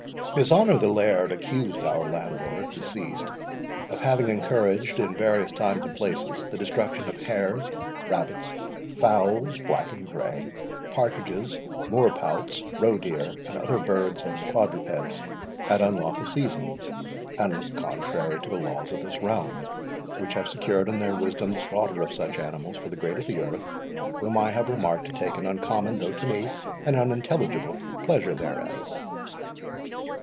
His honour, the Laird, accused our Landlord, deceased, of having encouraged, in various times and places, the destruction of hares, rabbits, fowls black and grey, partridges, moor pouts, roe deer, and other birds and quadrupeds, at unlawful seasons, and contrary to the laws of this realm, which have secured, in their wisdom, the slaughter of such animals for the great of the earth, whom I have remarked to take an uncommon (though to me, an unintelligible) pleasure therein.